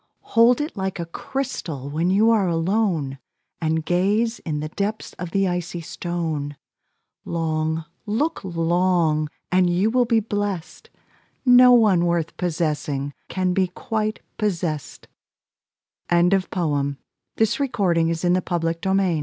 Hold it like a crystal When you are alone And gaze in the depths of the icy stone. Long, look long and you will be blessed: No one worth possessing Can be quite possessed. Extra Info:Printable page provided by public domain poetry.